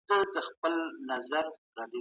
تاريخي پيښو د اوږدې مودې لپاره پرمختګ ځنډولی و.